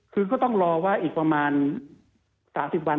คือก็ต้องรอว่าอีกประมาณ๓๐วัน